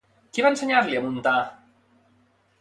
Qui va ensenyar-li a muntar?